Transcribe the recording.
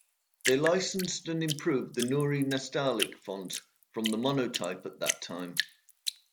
They licensed and improved the "Noori Nastaliq" font from Monotype at that time.